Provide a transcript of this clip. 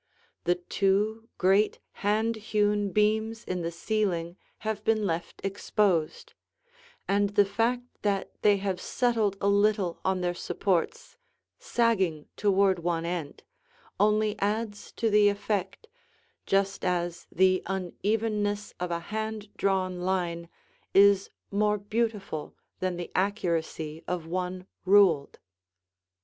The two, great, hand hewn beams in the ceiling have been left exposed, and the fact that they have settled a little on their supports, sagging toward one end, only adds to the effect, just as the unevenness of a hand drawn line is more beautiful than the accuracy of one ruled.